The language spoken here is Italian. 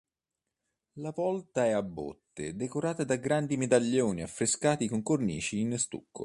La volta è a botte, decorata da grandi medaglioni affrescati con cornici in stucco.